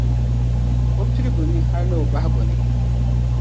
o piligu ni hal ni o bahigu ni.